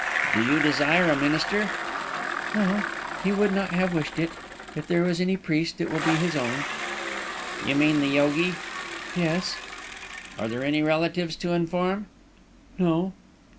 "Do you desire a minister?" "No. He would not have wished it. If there is any priest, it will be his own." "You mean the yogi?" "Yes." "Are there any relatives to inform?" "No."